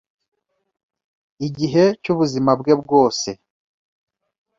igihe cy’ubuzima bwe bwose